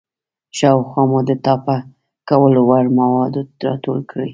شاوخوا مو د ټاپه کولو وړ مواد راټول کړئ.